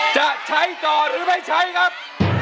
จะใช้ต่อหรือไม่ใช้ครับ